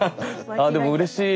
あでもうれしい。